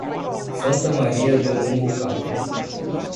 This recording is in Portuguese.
Santa Maria do Cambucá